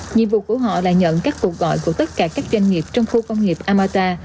nhiệm vụ của họ là nhận các cuộc gọi của tất cả các doanh nghiệp trong khu công nghiệp amata